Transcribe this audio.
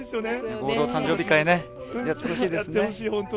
合同の誕生日会やってほしいですね。